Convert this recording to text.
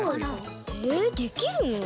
えできるの？